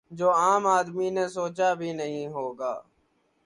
جو عام آدمی نے سوچا بھی نہیں ہو گا